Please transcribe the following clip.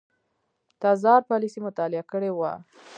تزار پالیسي مطالعه کړې وه.